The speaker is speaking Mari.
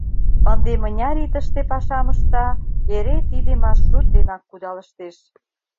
Ынде мыняр ий тыште пашам ышта — эре тиде маршрут денак кудалыштеш.